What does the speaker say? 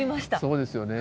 そうですよね。